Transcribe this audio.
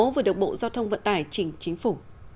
vừa được bộ giao thông vận tải chỉnh chính phủ